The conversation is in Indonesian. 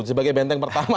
sebagai benteng pertama